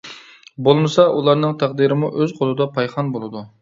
بولمىسا ئۇلارنىڭ تەقدىرىمۇ ئۆز قولىدا پايخان بولىدۇ.